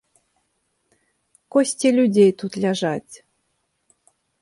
Косці людзей тут ляжаць.